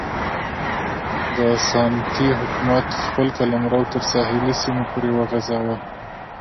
د اسانتي حکومت خپل قلمرو تر ساحلي سیمو پورې وغځاوه.